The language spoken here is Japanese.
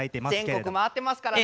全国回ってますからね。